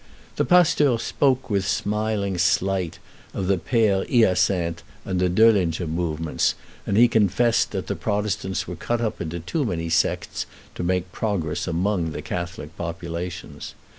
The pasteur spoke with smiling slight of the Père Hyacinthe and the Döllinger movements, and he confessed that the Protestants were cut up into too many sects to make progress among the Catholic populations.